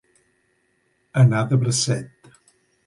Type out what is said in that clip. Anar de bracet.